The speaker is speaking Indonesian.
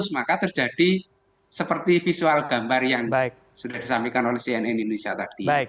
maka terjadi seperti visual gambar yang sudah disampaikan oleh cnn indonesia tadi